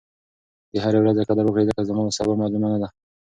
د هرې ورځې قدر وکړئ ځکه سبا معلومه نه ده.